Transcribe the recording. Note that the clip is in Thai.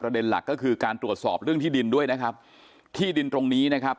เด็นหลักก็คือการตรวจสอบเรื่องที่ดินด้วยนะครับที่ดินตรงนี้นะครับ